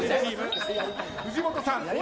藤本さん